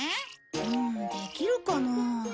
うんできるかな？